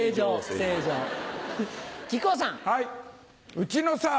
うちのさ